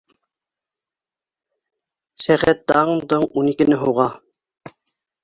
Сәғәт даң-доң ун икене һуға.